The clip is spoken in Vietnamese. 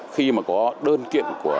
khi mà có đơn kiện của